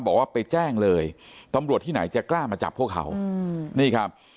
บอกว่าไปแจ้งเลยตำรวจที่ไหนจะกล้ามาจับพวกเขานี่ครับ